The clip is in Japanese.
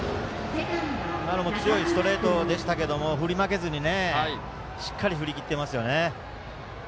今のも強いストレートでしたが振り負けずにしっかり振り切ってますね。